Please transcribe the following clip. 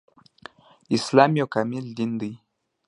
اسلام يو کامل دين دی